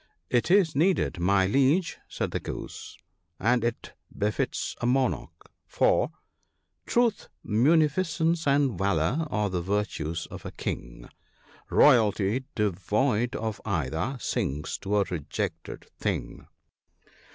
"It is needed, my Liege," said the Goose, "and it befits a Monarch ; for, — "Truth, munificence, and valour, are the virtues of a King; Royalty, devoid of either, sinks to a rejected thing.